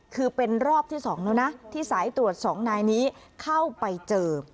คือเป็นรอบที่๒แล้วนะที่สายตรวจ๒นายนี้เข้าไปเจอ